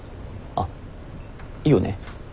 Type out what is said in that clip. あっいいよね？